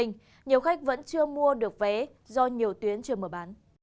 nhiều khách vẫn chưa mua được vé do nhiều tuyến chưa mở bán